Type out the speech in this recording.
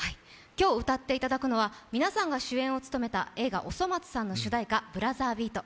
今日歌っていただくのは、皆さんが主演を務めた映画「おそ松さん」の主題歌「ブラザービート」。